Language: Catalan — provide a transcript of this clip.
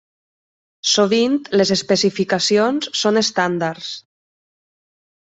Sovint les especificacions són estàndards.